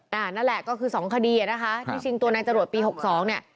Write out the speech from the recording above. นั่นแหละก็คือ๒คดีนะคะที่ชิงตัวในจรวดปี๖๒เนี่ย